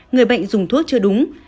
người bệnh dùng thuốc chưa đúng